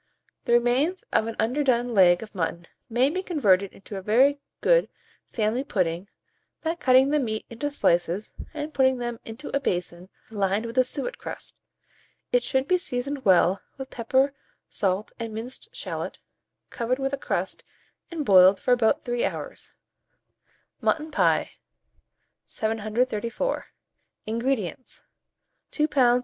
The remains of an underdone leg of mutton may be converted into a very good family pudding, by cutting the meat into slices, and putting them into a basin lined with a suet crust. It should be seasoned well with pepper, salt, and minced shalot, covered with a crust, and boiled for about 3 hours. MUTTON PIE. 734. INGREDIENTS. 2 lbs.